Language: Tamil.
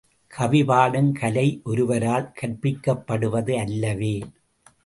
கவி பாடும் கலை ஒருவரால் கற்பிக்கப்படுவது அல்லவே.